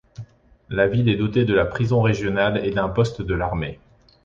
La ville est dotée de la prison régionale et d'un poste de l'armée.